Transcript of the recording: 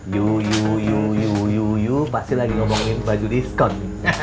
yu yu yu yu yu pasti lagi ngomongin baju diskon